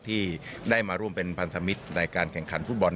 ที่ได้มาร่วมเป็นพันธมิตรในการแข่งขันฟุตบอล